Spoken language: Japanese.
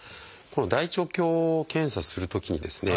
この大腸鏡検査するときにですね